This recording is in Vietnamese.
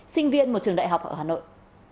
sinh viên một trường đại học ở hà nội